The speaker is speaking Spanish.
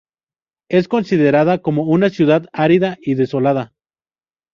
Es considerada como una ciudad árida y desolada.